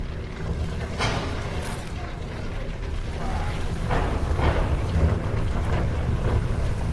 Kanisa lote Hasa Mtaguso wa Konstanz ulidai kabisa ufanyike